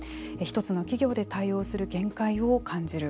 １つの企業で対応する限界を感じる。